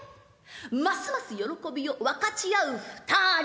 ますます喜びを分かち合う２人。